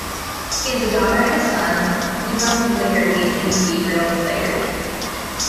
He has a daughter and a son: Gudrun Flaherty and Gabriel Flaherty.